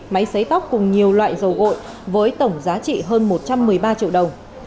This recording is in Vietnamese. máy xấy tóc cùng nhiều loại dầu gội với tổng giá trị hơn một trăm một mươi ba triệu đồng